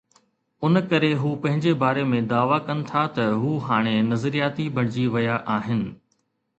ان ڪري هو پنهنجي باري ۾ دعويٰ ڪن ٿا ته هو هاڻي نظرياتي بڻجي ويا آهن.